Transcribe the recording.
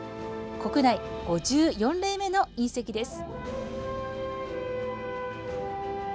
国内５４例目の隕石です。